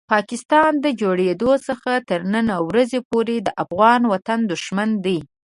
پاکستان د جوړېدو څخه تر نن ورځې پورې د افغان وطن دښمن دی.